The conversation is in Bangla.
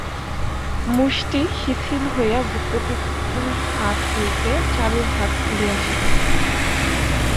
মুষ্টি শিথিল হইয়া ভূপতির হাত হইতে চারুর হাত খুলিয়া আসিল।